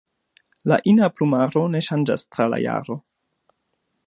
La ina plumaro ne ŝanĝas tra la jaro.